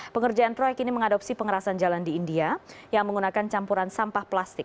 pengerjaan proyek ini mengadopsi pengerasan jalan di india yang menggunakan campuran sampah plastik